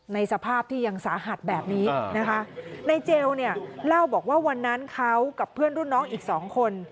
สภาพที่ยังสาหัสแบบนี้นะคะในเจลเนี่ยเล่าบอกว่าวันนั้นเขากับเพื่อนรุ่นน้องอีกสองคน